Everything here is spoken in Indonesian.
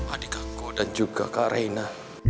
adik aku dan juga kak reina